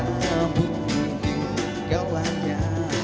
mungkin kau hanya memandang aku sebelah mata